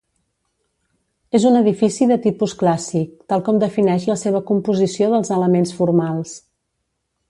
És un edifici de tipus clàssic, tal com defineix la seva composició dels elements formals.